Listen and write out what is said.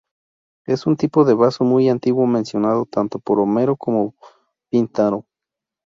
Es un tipo de vaso muy antiguo mencionado tanto por Homero como Píndaro.